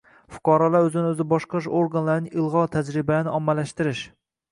fuqarolar o‘zini o‘zi boshqarish organlarining ilg‘or tajribalarini ommalashtirish